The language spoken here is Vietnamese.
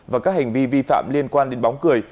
và các hành vi vi phạm liên quan đến bóng cười